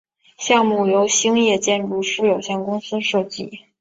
项目由兴业建筑师有限公司设计。